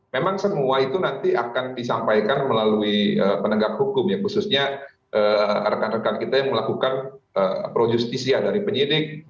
memang semua itu nanti akan disampaikan melalui penegak hukum ya khususnya rekan rekan kita yang melakukan pro justisia dari penyidik